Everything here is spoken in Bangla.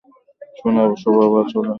শোবানা চলে গেছে?